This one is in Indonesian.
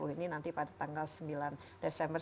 ini nanti pada tanggal sembilan desember